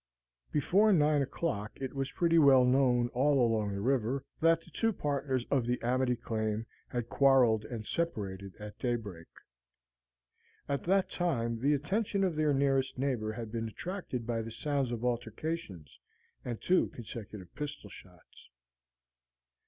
Before nine o'clock it was pretty well known all along the river that the two partners of the "Amity Claim" had quarrelled and separated at daybreak. At that time the attention of their nearest neighbor had been attracted by the sounds of altercations and two consecutive pistol shots.